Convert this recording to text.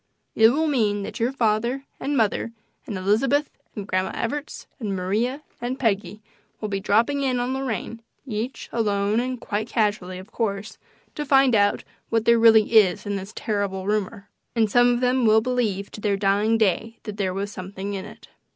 It will mean that your mother and father, and Elizabeth, and Grandma Evarts and Maria and Peggy will be dropping in on Lorraine, each alone and quite casually, of course, to find out what there really is in this terrible rumor. And some of them will believe to their dying day that there was something in it."